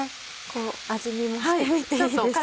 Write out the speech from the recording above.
味見もしてみていいですか？